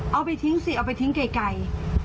เอาไปทิ้งสิเอาไปทิ้งไกล